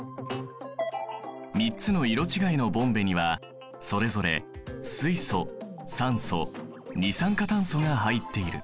３つの色違いのボンベにはそれぞれ水素酸素二酸化炭素が入っている。